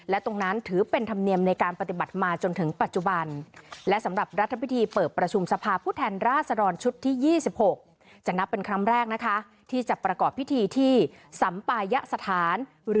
และตรงนั้นถือเป็นธรรมเนียมในการปฏิบัติมา